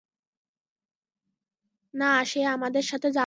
না, সে আমাদের সাথে যাবে।